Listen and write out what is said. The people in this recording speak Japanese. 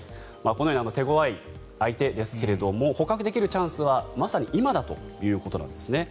このように手ごわい相手ですが捕獲できるチャンスはまさに今だということです。